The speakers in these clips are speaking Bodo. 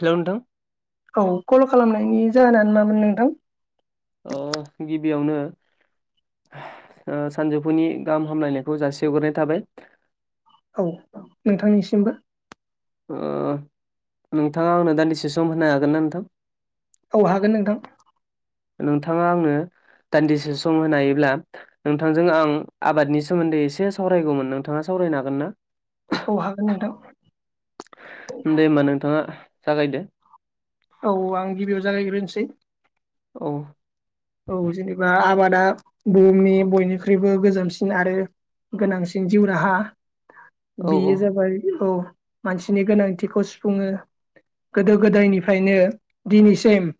हेलौ नोंथां औ कल खालामनायनि जाहोनानो मामोन नोंथां ओ गिबियावनो ओ सानजौफुनि गाहाम हामलायनायखौ जासि हग्रोनाय थाबाय औ नोंथांनिसिमबो ओ नोंथाङा आंनो दान्दिसे सम होनो हागोन ना नोंथां औ हागोन नोंथां नोंथाङा आंनो दान्दिसे सम होनोहायोब्ला नोंथांजों आं आबादनि सोमोन्दै एसे सावरायगौमोन नोंथाङा साव फरायनो हागोन ना औ हागोन नोंथां दे होमबा नोंथाङा जागायदो औ आं गिबियाव जागायग्रोनोसै औ औ जेनेबा आबादा बुहुमनि बयनिख्रुइबो गोजामसिन आरो गोनांसिन जिउ राहा औ बेयो जाबाय औ मानसिनि गोनांथिखौ सुफुङो गोदो गोदायनिफ्रायनो दिनैसिम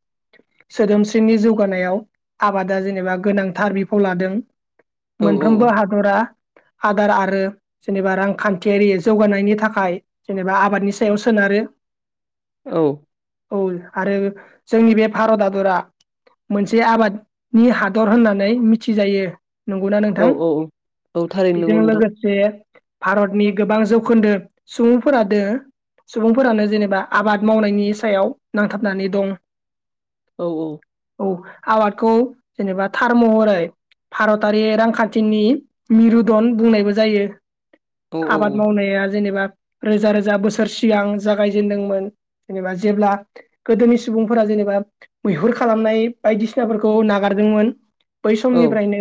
सोदोमस्रिनि जौगानायाव आबादा जेनेबा गोनांथार बिफाव लादों औ औ मोनफ्रोमबो हादरा आदार आरो जेनेबा रांखान्थियारि जौगानायनि थाखाय जेनेबा आबादनि सायाव सोनारो औ औ आरो जोंनि बे भारत हादरा मोनसे आबादनि हादर होननानै मिथिजायो नंगौना औ नोंथां औ औ औ थारैनो बेजों नंगौ नोंथां लोगोसे भारतनि गोबां जौखोन्दो सुबुंफोर दो सुबुंफोरानो जेनेबा आबाद मावनायनि सायाव नांथाबनानै दं औ औ औ आबादखौ जेनेबा थार महरै भारतारि रांखान्थिनि मिरु दन बुंनायबो जायो औ औ आबाद मावनाया जेनेबा रोजा रोजा बोसोर सिगां जागायजेनदोंमोन जेनेबा जेब्ला गोदोनि सुबुंफोरा जेनेबा मैहुर खालामनाय बायदिसिनाफोरखौ नागारदोंमोन बै औ समनिफ्रायनो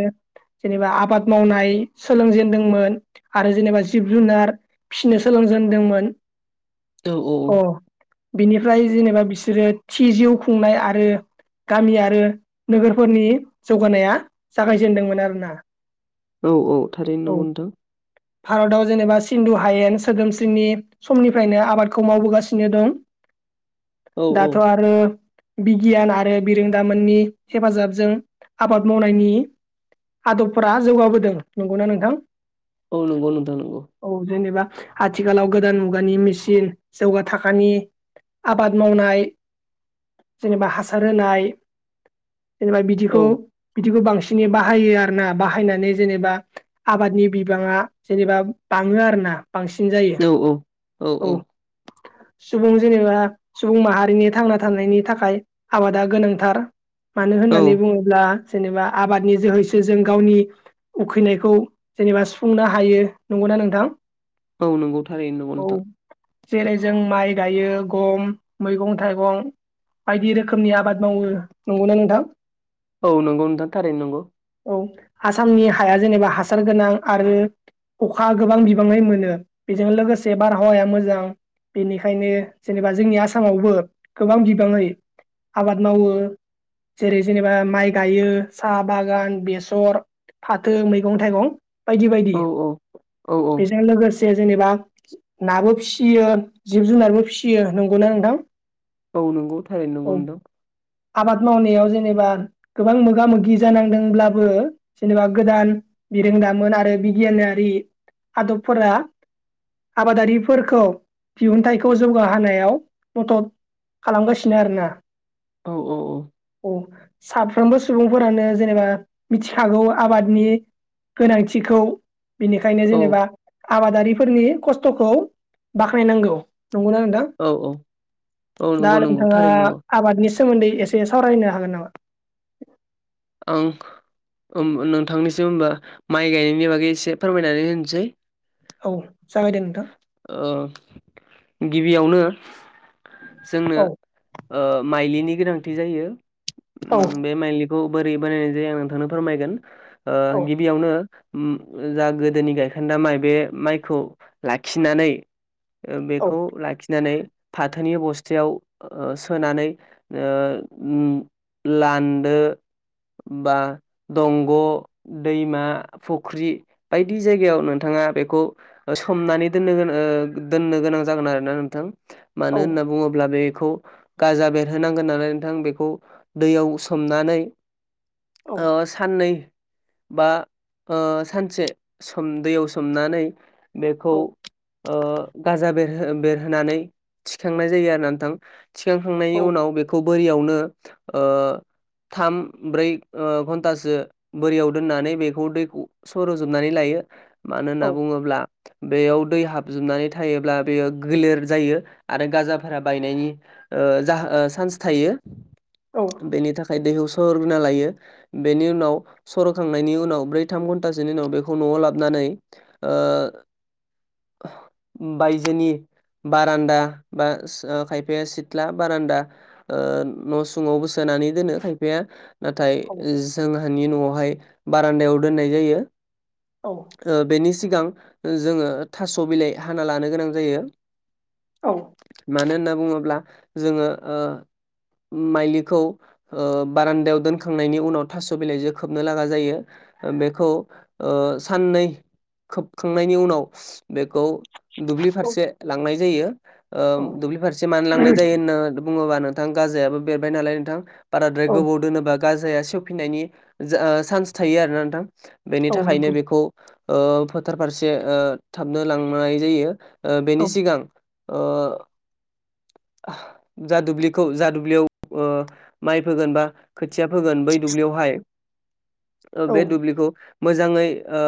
जेनेबा आबाद मावनाय सोलोंजेनदोंमोन आरो जेनेबा जिब जुनार फिसिनो सोलोंजेन दोंमोन औ औ बिनिफ्राय जेनेबा बिसोरो थि जिउ खुंनाय आरो गामियारि आरो नोगोरफोरनि जौगानाया जागायजेनदोंमोन आरोना औ औ थारैनो औ नंगौ नोंथां भारताव जेनेबा सिन्धु हायेन सोदोमस्रिनि समनिफ्रायनो आबादखौ मावबोगासिनो दं औ औ दाथ' आरो बिगियान आरो बिरों गाबोननि हेफाजाबजों आबाद मावनायनि आदबफोरा जौगाबोदों नंगौना नोंथां औ नंगौ नोंथां नंगौ औ जेनेबा आथिखालाव गोदान मुगानि मेसिन जौगा थाखोनि आबाद मावनाय जेनेबा हासार होनाय जेनेबा बिदिखौ औ बिदिखौ बांसि बिसोरनि बाहायो आरो ना बाहायनानै जेनेबा आबादनि बिबाङा जेनेबा बाङो आरोना बांसिन औ जायो औ औ सुबुं जेनेबा सुबुं माहारिनि थांना थानायनि थाखाय आबादा गोनांथार मानो औ होननानै बुङोब्ला जेनेबा आबादनि जोहैसो जों गावनि उखैनायखौ जेनेबा सुफुंनो हायो नौ ना नोंथां औ नंगौ थारै नंगौ औ नोंथां जेरै जों माइ गायो गम मैगं थाइगं बायदि रोखोमनि आबाद मावो नंगौना नोंथां औ नंगौ नोंथां थारैनो नंगौ औ आसामनि हाया जेनेबा हासार गोनां आरो अखा गोबां बिबाङै मोनो बेजों लोगोसे बारहावाया मोजां बेनिखायनो जेनेबा जोंनि आसामावबो गोबां बिबाङै आबाद मावो जेरै जेनेबा माइ गायो साहा बागान बेसर फाथो मैगं थाइगं बायदि बायदि औ औ औ औ बेजों लोगोसे जेनेबा नाबो फिसियो जिब जुनारबो फिसियो नंगौना नोंथां? औ नंगौ थारै नंगौ औ नोंथां। आबाद मावनायाव जेनेबा गोबां मोगा मोगि जानांदोंब्लाबो जेनेबा गोदान। बिरोंदामोन आरो बिगियानारि आदबफोरा। आबादारिफोरखौ दिहुनथाइखौ जौगाहोनायाव मदद। खालामगासिनो आरोना? औ औ औ। साफ्रोमबो सुबुंफोरानो जेनेबा मिथिखागौ आबादनि। गोनांथिखौ बेनिखायनो औ जेनेबा आबादारिफोरनि खस्थ'खौ बाख्नायनांगौ। नंगौना नोंथां औ औ औ दा नंगौ नंगौ नोंथाङा थारैनो नंगौ आबादनि। सोमोन्दै एसे सावरायनो हागोन नामा? ओं। नोंथांनिसिम होनबा माइ गायनायनि बागै एसे फोरमायनानै होनोसै। औ। जागायदो नोंथां ओ गिबियावनो। जोंनो औ माइलिनि गोनांथि जायो औ बे माइलि। खौ बोरै बानायनाय जायो आं नोंथांनो फोरमायगोन ओ औ गिबियावनो। जा गोदोनि गायखान्दा माइ बे माइखौ लाखिनानै बेखौ लाखिनानै। फाथोनि बस्थायाव ओ सोनानै ओम लानदो बा दंग' दैमा फुख्रि बायदि जायगायाव नोंथाङा। बेखौ हमनानै दोननो दोननो गोनां जागोन आरोना नोंथां मानो औ होनना बुङोब्ला बे। बेखौ गाजा बेरहोनांगोन होननानै नोंथां बेखौ दैयाव सोमनानै। औ साननै बा ओ सानसे दैयाव सोमनानै। बेखौ औ ओ गाजा बे बेरहोनानै थिखांनाय जायो आरोना नोंथां थिखांखांनायनि उनाव बेखौ। बोरियावनो ओह थाम ब्रै घन्टासो बोरियाव दोननानै बेखौ दैखौ सर'जोबनानै लायो। मानो होनना औ बुङोब्ला। बेयाव दै हाबजोबनानै थायोब्ला बेयो गोलेर जायो आरो गाजाफोरा बायनायनि ओ चान्स थायो बेनि थाखाय दै। सरग्रोना लायो बेनि उनाव सरखांनायनि उनाव ब्रै थाम घन्टासोनि उनाव बेखौ न'वाव लाबनानै। ओ बायजोनि बारान्दा बा खायफाया सिथला बारान्दा न' सुङावबो सोन नानै दोनो खायफाया नाथाय औ जोंहानि न'वावहाय बारान्दायाव दोननाय जायो। ओ बेनि सिगां जोङो थास' बिलाइ हाना लानो गोनां जायो। औ। मानो होनना बुङोब्ला जोङो ओ। माइलिखौ ओ बारान्दायाव दोनखांनायनि उनाव थास' बिलाइजों खोबनो लागा जायो। बेखौ साननै खोब खांनायनि उनाव बेखौ दुब्लि फारसे लांनाय जायो। ओ औ दुब्लि फारसे मानो लांनाय जायो होनना बुङोबा नोंथां गाजायाबो बेरबाय नालाय नोंथां। बाराद्राय औ गोबाव दोनोबा गाजाया सेवफिननायनि जा सान्स थायो आरोना नोंथां। बेनि औ थाखायनो नंगौ बेखौ ओ फोथार फारसे थाबनो लांनाय जायो औ बेनि सिगां जा दुब्लिखौ जा दुब्लियाव माइ फोगोन बा खोथिया फोगोन बै दुब्लियावहाय औ बे दुब्लिखौ मोजाङै ओ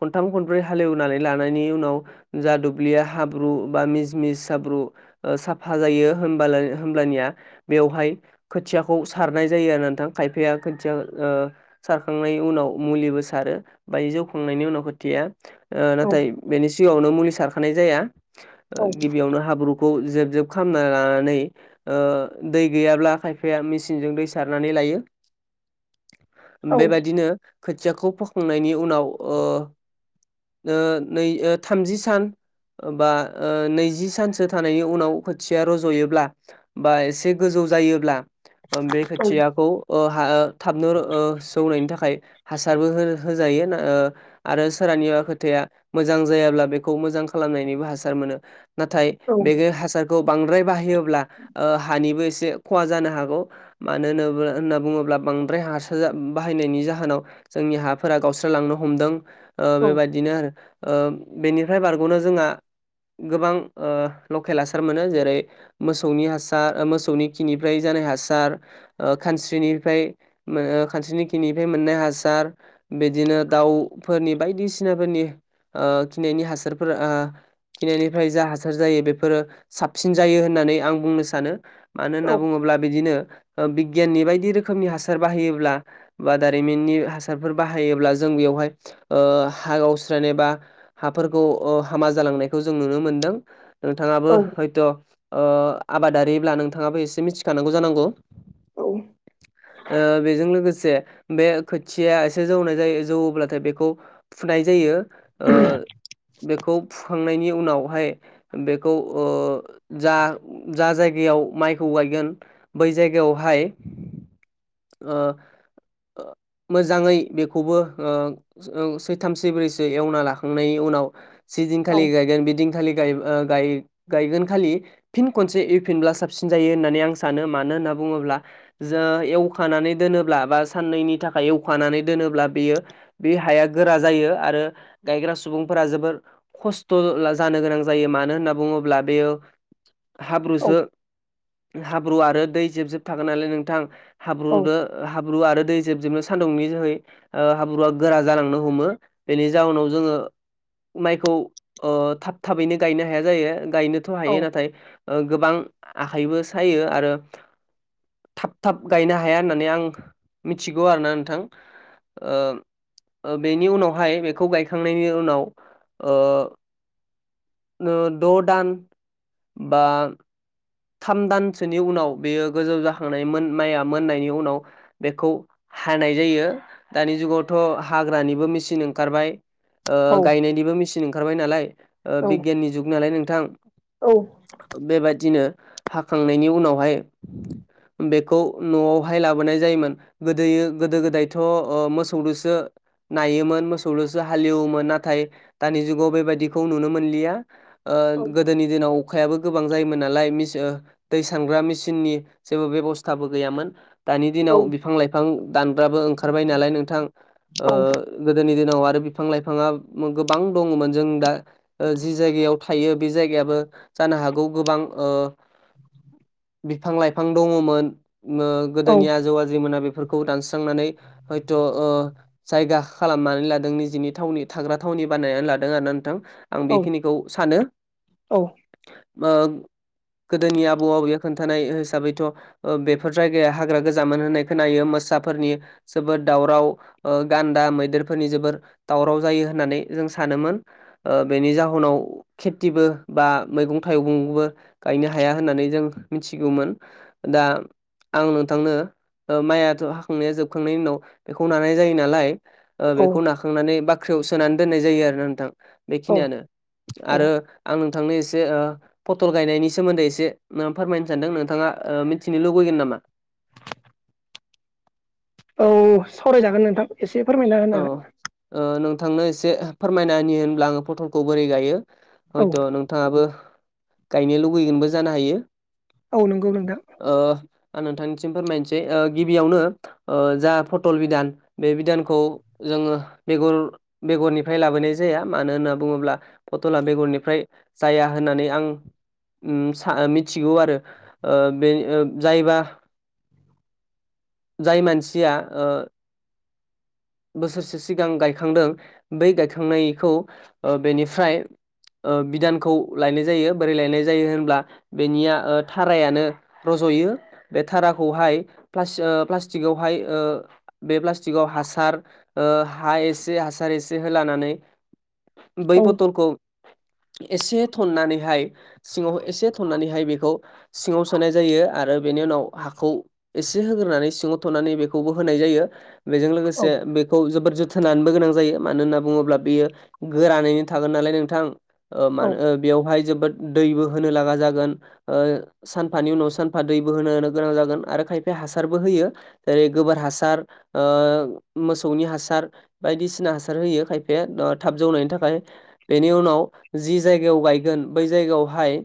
खनथाम खन ब्रै हालेवनानै लानायनि उनाव जा दुब्लिया हाब्रु बा मिस मिस हाब्रु साफा जायो होमब्लानिया बेवहाय खोथियाखौ सारनाय जायो आरो नोंथां खायफाया खोथिया ओ सारखांनायनि उनाव मुलिबो सारो बाय जौखांनायनि उनाव खोथिया औ नाथाय बेनि सिगाङावनो मुलि सारखानाय जाया गिबियावनो हाब्रु जेब जेब खालामना लानानै ओ दै गैयाबा खायफाया मेसिनजों दै सारनानै लायो यो बेबायदिनो खोथियाखौ फोखांनायनि उनाव ओ ओ नै थामजि सान बा नैजि सानसो थानायनि उनाव खोथिया रज'योब्ला बा एसे गोजौ जायोब्ला बे खोथियाखौ ओ थाबनो सौनायनि थाखाय हासारबो होजायो ओ आरो सोरानिया खोथाया मोजां जायाब्ला बेखौ मोजां खालामनायनिबो हासार मोनो नाथाय बे हासारखौ बांद्राय बाहायोब्ला ओ हानिबो एसे जे ख'हा जानो हागौ मानो होनोब होनना बुङोब्ला बांद्राय हासार बाहायनायनि जाहोनाव जोंनि हाफोरा गावस्रालांनो हमदों ओ औ बेबायदि आरो बेनिफ्राय बारग'नो जोंहा गोबां ओ लकेल हासार मोनो जेरै मोसौनि हासार मोसौनि खिनिफ्राय जाना नाय हासार ओ खानस्रिनिफ्राय ओ खानस्रिनि खिनिफ्राय मोननाय हासार बिदिनो दाउफोरनि बायदिसिनाफोरनि ओ खिनायनि हासारफोर आ खिनायनिफ्राय जा हासार जायो बेफोरो साबसिन जायो होननानै होननानै आं बुंनो सानो मानो औ होनना बुङोब्ला बिदिनो बिगियाननि बायदि रोखोमनि हासार बाहायोब्ला बा दारिमिननि हासारफोर बाहायोब्ला जों बेयाव हाय ओ हा गावस्रायनाय बा हाफोरखौ हामा जालांनायखौ जों नुनो मोनदों नोंथाङाबो औ हयथ' ओ आबादारिब्ला नोंथाङाबो एसे मिथिखानांगौ जानांगौ ओ बेजों लोगोसे बे खोथिया एसे जौनाय जायो जौवोबाथाय बेखौ फुनाय जायो ओ बेखौ फुखांनायनि उनावहाय बेखौ ओ जा जा जायगायाव माइखौ गायगोन बै जायगायावहाय ओ मोजाङै बेखौबो ओ सै थाम सैब्रैसो एवना लाखांनायनि उनाव जि दिनखालि गायगोन बेदिनखालि गायगोन खालि फिन खनसे एवफिनब्ला साबसिन जायो होननानै आं सानो मानो होनना बुङोब्ला जो एवखानानै दोनोब्ला बा साननैनि थाखाय एवखानानै दोनोब्ला बेयो बे हाया गोरा जायो आरो गायग्रा सुबुंफोरा जोबोर खसथ' जानो गोनां जायो मानो होनना बुङोब ब्ला बेयो हाब्रुसो हाब्रु आरो दै जेब जेब थागोन नालाय नोंथां हाब्रु हाब्रु आरो दै जेबजेबनो सानदुंनि जोहै हाब्रुया गोरा जालांनो हमो बेनि जाउनाव जोङो माइखौ ओ थाब थाबैनो गायनो हाया जायो गायनोथ' हायो नाथाय ओ गोबां आखाइबो सायो आरो थाब थाब गायनो हाया होननानै आं मिथिगौ आरोना नोंथां ओ बेनि उनावहाय बेखौ गायखांनायनि उनाव ओ द' दान बा थाम दानसोनि उनाव बेयो गोजौ जाखांनाय माइया मोननायनि उनाव बेखौ हानाय जायो दानि जुगावथ' हाग्रानिबो मेचिन ओंखारबाय ओ गायनायनिबो मेचिन ओंखारबाय नालाय बिगियाननि जुग नालाय नोंथां बेबादिनो हाखांनायनि उनावहाय बेखौ न'आवहाय लाबोनाय जायोमोन गोदोयो गोदो गोदायथ' ओ मोसौजोंसो नायोमोन मोसौजोंसो हाल एवोमोन नाथाय दानि जुगाव बेबायदिखौ नुनो मोनलिया ओ गोदोनि दिनाव अखायाबो गोबां जायोमोन नालाय मिन ओ दै सानग्रा मेसिननि जेबो बेब'सथाबो गैयामोन दानि दिनाव बिफां लाइफां दानग्राबो ओंखारबाय नालाय नोंथां गोदोनि दि दं आरो बिफां लाइफाङा गोबां दङमोन जों दा जि जायगायाव थायो बे जायगायाबो जानो हागौ गोबां ओ बिफां लाइफां दङमोन गोदोनि आजौ आजौमोना बे फोरखौ दानस्रांनानै हयथ' ओ जायगा खालामनानै लादों निजिनि थावनि थाग्रा थावनि बानायनानै लादों आरो ना नोंथां आं बेखिनिखौ सानो गोदोनि आबौ आबैया खोन्थानाय हिसाबैथ' बेफोर जायगाया हाग्रा गोजामोन होननाय खोनायो मोसा फोरनि जोबोद दावराव गान्दा मैदेरफोरनि जोबोर दावराव जायो होननानै जों सानो बेनि जाहोनाव खेथिबो बा मैगं थाइगंबो गायनो हाया होननानै जों मिथिगौमोन दा आं नोंथांनो माइयाथ' हाखांनाया जोबखांनायनि उनाव बेखौ लानाय जायो नालाय बेखौ नाखांनानै बाख्रियाव सोनानै दोननाय जायो आरो ना नोंथां बेखिनियानो आरो आं नोंथांनो एसे फथल गायनायनि सोमोनदै फोरमायनो सानदों नोंथाङा मिथिनो लुबैगोन नामा औ सावरायजागोन नोंथां एसे फोरमायना औ होनोनागोन ओ नोंथांनो एसे फोरमायना होनि होनब्ला आङो फथलखौ बोरै गायो औ हयथ' नोंथाङाबो गायनो लुुबैगोनबो जानो हायो औ नंगौ नोंथां ओ आं नोंथांनिसिम फोरमायनोसै गिबियावनो जा फटल बिधान बे बिधानखौ जोङो बेगर बेगरनिफ्राय लाबोनाय जाया मानो होनना बुङोब्ला फथला बेगरनिफ्राय जाया होननानै आं ओ मिथिगौ आरो बे जायबा जाय मानसिया बोसोरसे सिगां गायखांदों बै गायखांनायखौ ओ बेनिफ्राय ओ बिधानखौ लायनाय जायो बोरै लायनाय जायो होनब्ला बेनिया थारायानो रज जयो बे धाराखौहाय प्लास प्लास्टिकआवहाय ओ बे प्लास्टिकआव हासार ओ हा एसे हासार एसे होलानानै बै औ पथलखौ [inaudible] एसे थननानैहाय सिङाव एसे थननानैहाय बेखौ सिङाव सोनाय जायो आरो बे बिनि उनाव हाखौ एसे होग्रोनानै सिङाव थ'नानै बेखौबो होनाय जायो बेजों औ लोगोसे बेखौ जों जों थोनाबो गोनां जायो मानो होनना बुङोब्ला बियो गोरानैनो थागोन नालाय नोंथां ओ मा औ होनो बेवहाय जोबोद दैबो होनो लागा जागोन ओ सानफानि उनाव सानफा दैबो होनो गोनां जागोन आरो खायफाया हासार होयो जेरै गोबोर हासार ओ मोसौनि हासार बायदिसिना हासार होयो खायफाया थाब जौनायनि थाखाय बेनि उनाव जि जायगायाव गायगोन बै जायगायावहाय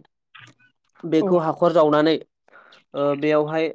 औ बेखौ हाखर जावनानै ओ बेयावहाय